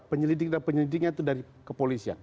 penyidik dan penyidiknya itu dari kepolisian